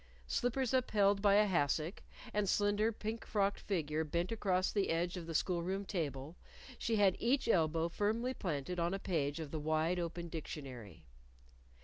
Slippers upheld by a hassock, and slender pink frocked figure bent across the edge of the school room table, she had each elbow firmly planted on a page of the wide open, dictionary.